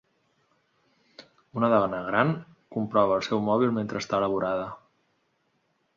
Una dona gran comprova el seu mòbil mentre està a la vorada.